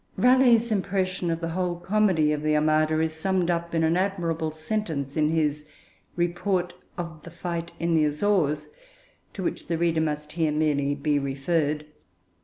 Raleigh's impression of the whole comedy of the Armada is summed up in an admirable sentence in his Report of the Fight in the Azores, to which the reader must here merely be referred.